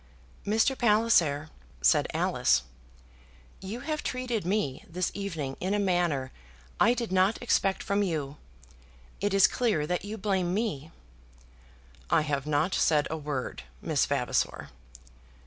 "Mr. Palliser," said Alice, "you have treated me this evening in a manner I did not expect from you. It is clear that you blame me." "I have not said a word, Miss Vavasor."